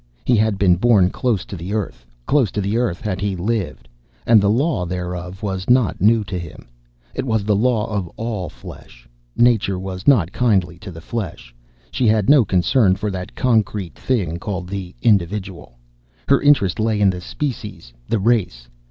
He had been born close to the earth, close to the earth had he lived, and the law thereof was not new to him. It was the law of all flesh. Nature was not kindly to the flesh. She had no concern for that concrete thing called the individual. Her interest lay in the species, the race.